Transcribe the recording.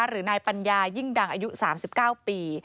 หรือนายปัญญายิ่งดังอายุ๓๙ปี